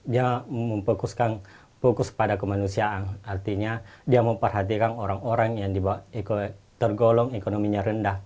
dia memfokuskan fokus pada kemanusiaan artinya dia memperhatikan orang orang yang tergolong ekonominya rendah